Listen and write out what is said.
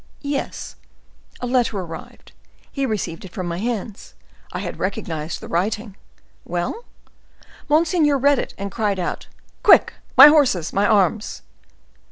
"Yes—a letter arrived; he received it from my hands. I had recognized the writing." "Well?" Monseigneur read it and cried out, "Quick, my horses! my arms!